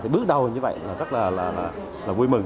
bước đầu như vậy là rất là vui mừng